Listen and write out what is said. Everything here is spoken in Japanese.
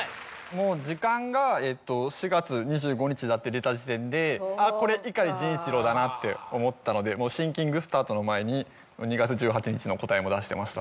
もう「じかん」が４月２５日だって出た時点で。って思ったのでシンキングスタートの前に２月１８日の答えも出してました。